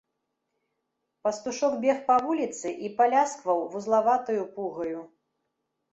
Пастушок бег па вуліцы і паляскваў вузлаватаю пугаю.